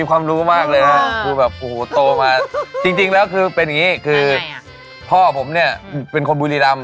ความรู้มากเลยนะคือแบบโอ้โหโตมาจริงแล้วคือเป็นอย่างนี้คือพ่อผมเนี่ยเป็นคนบุรีรำ